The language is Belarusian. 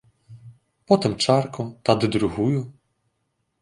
Потым чарку, тады другую.